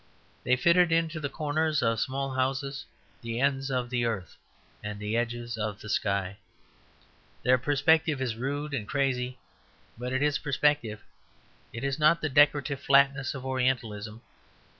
They fitted into the corners of small houses the ends of the earth and the edges of the sky. Their perspective is rude and crazy, but it is perspective; it is not the decorative flatness of orientalism.